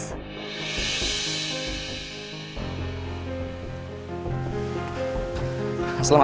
selamat sore ibu